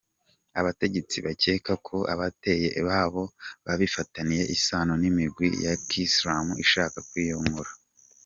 Abategetsi bakeka ko abateye boba bafitaniye isano n'imigwi ya ki Islam ishaka kwiyonkora.